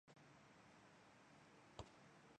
参与观察是一种研究策略。